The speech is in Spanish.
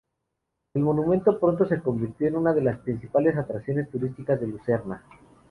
El monumento pronto se convirtió en una de las principales atracciones turísticas de Lucerna.